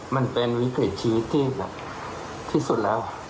มันเป็นวิกฤตชีวิตที่แบบที่สุดแล้ว